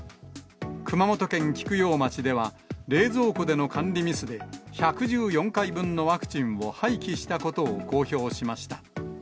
熊本県菊陽町では、冷蔵庫での管理ミスで、１１４回分のワクチンを廃棄したことを公表しました。